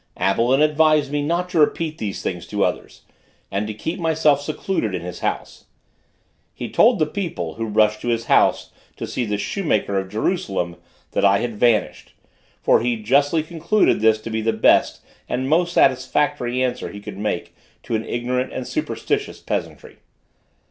Abelin advised me not to repeat these things to others, and to keep myself secluded in his house. He told the people, who rushed to his house to see the "shoemaker of Jerusalem," that I had vanished; for he justly concluded this to be the best and most satisfactory answer he could make to an ignorant and superstitious peasantry.